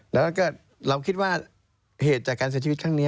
แล้วก็เราคิดว่าเหตุจากการเสียชีวิตครั้งนี้